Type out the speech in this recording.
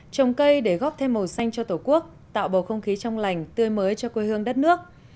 trồng cây để góp thêm màu xanh cho tổ quốc tạo bầu không khí trong lành tươi mới cho quê hương đất nước